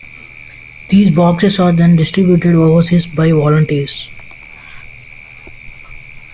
These boxes are then distributed overseas by volunteers.